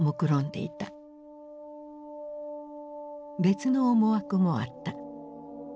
別の思惑もあった。